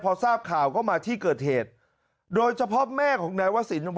พอทราบข่าวก็มาที่เกิดเหตุโดยเฉพาะแม่ของนายวศิลป์